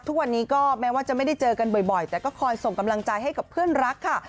ทุกวันนี้ก็แม้ว่าจะไม่ได้เจอกันบ่อยแต่ก็คอยส่งกำลังใจให้กับเพื่อนรักค่ะ